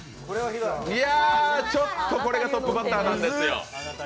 ちょっとこれがトップバッターなんですよ。